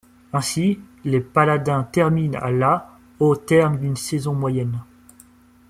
Ainsi, les pailladins termine à la au terme d'une saison moyenne.